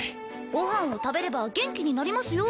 ご飯を食べれば元気になりますよ。